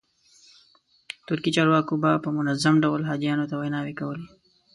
ترکي چارواکو به په منظم ډول حاجیانو ته ویناوې کولې.